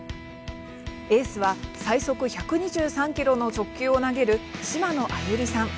エースは最速１２３キロの直球を投げる島野愛友利さん。